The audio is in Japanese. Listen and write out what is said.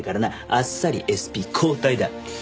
あっさりＳＰ交代だ。